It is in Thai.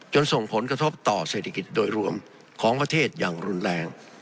ส่งผลกระทบต่อเศรษฐกิจโดยรวมของประเทศอย่างรุนแรง